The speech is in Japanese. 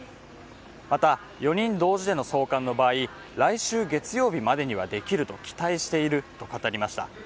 また４人同時での送還の場合、来週月曜日までにできると期待していると語りました。